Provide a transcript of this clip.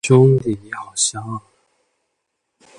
兄弟，你好香